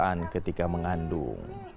dan ketika mengandung